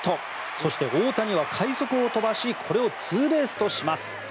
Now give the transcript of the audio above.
そして、大谷は快足を飛ばしこれをツーベースとします。